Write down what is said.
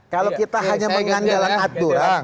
kalau kita hanya mengandalkan aturan